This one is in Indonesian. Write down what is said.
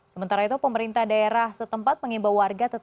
sementara itu pemerintah daerah setempat mengimbau warga tetap terdengar